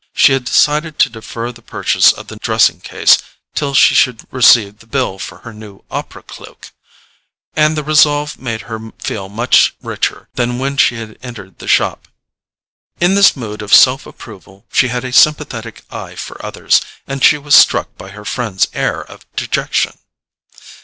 She had decided to defer the purchase of the dressing case till she should receive the bill for her new opera cloak, and the resolve made her feel much richer than when she had entered the shop. In this mood of self approval she had a sympathetic eye for others, and she was struck by her friend's air of dejection.